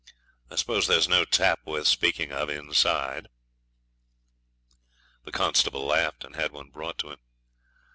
I suppose there's no tap worth speaking of inside.' The constable laughed, and had one brought to him.